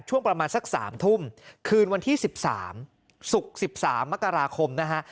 ช่วงประมาณสักสามทุ่มคืนวันที่สิบสามศุกร์สิบสามมกราคมนะฮะ